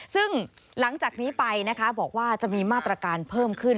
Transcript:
ซึ่งหลังจากนี้ไปนะคะบอกว่าจะมีมาตรการเพิ่มขึ้น